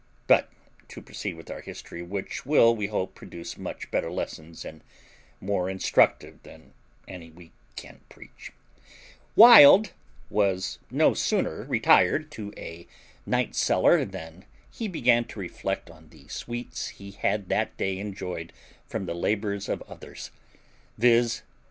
But to proceed with our history, which will, we hope, produce much better lessons, and more instructive, than any we can preach: Wild was no sooner retired to a night cellar than he began to reflect on the sweets he had that day enjoyed from the labours of others, viz.